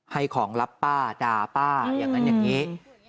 ให้ของรับป้าด่าป้าอย่างนั้นอย่างนี้